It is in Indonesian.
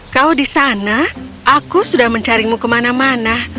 kau di sana aku sudah mencari mu kemana mana